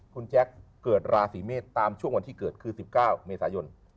คุณแจ๊คเกิดราศีเมษตามช่วงวันที่เกิดคือ๑๙เมษายน